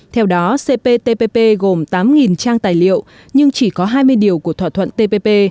theo đó cptpp gồm tám trang tài liệu nhưng chỉ có hai mươi điều của thỏa thuận tpp